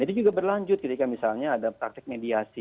dan itu juga berlanjut ketika misalnya ada taktik mediasi